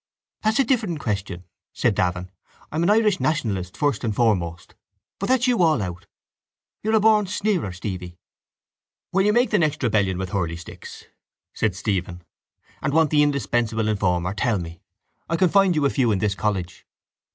—That's a different question, said Davin. I'm an Irish nationalist, first and foremost. But that's you all out. You're a born sneerer, Stevie. —When you make the next rebellion with hurleysticks, said Stephen, and want the indispensable informer, tell me. I can find you a few in this college.